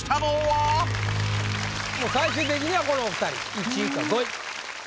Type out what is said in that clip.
最終的にはこのお２人１位か５位。